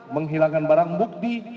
menghilangkan barang bukti